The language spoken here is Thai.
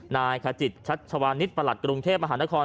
นายขจิตชัชวานิสประหลัดกรุงเทพมหานคร